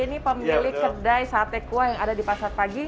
ini pemilik kedai sate kuah yang ada di pasar pagi